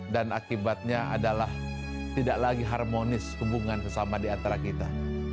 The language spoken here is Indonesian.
dan akibatnya adalah tidak lagi harmonis hubungan bersama di antara kita